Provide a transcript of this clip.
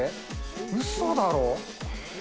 うそだろ？